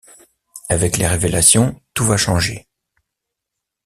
Avec les révélations tout va changer.